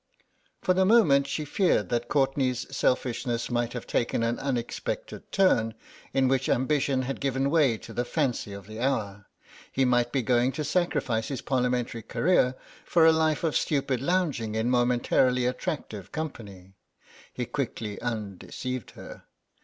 For the moment she feared that Courtenay's selfishness might have taken an unexpected turn, in which ambition had given way to the fancy of the hour; he might be going to sacrifice his Parliamentary career for a life of stupid lounging in momentarily attractive company. He quickly undeceived her.